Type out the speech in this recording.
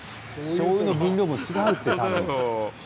しょうゆの分量も違うって。